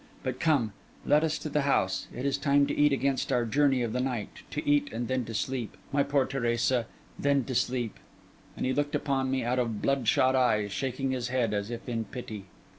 But come, let us to the house; it is time to eat against our journey of the night: to eat and then to sleep, my poor Teresa: then to sleep.' And he looked upon me out of bloodshot eyes, shaking his head as if in pity.